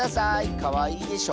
かわいいでしょ。